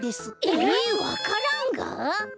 ええっわか蘭が。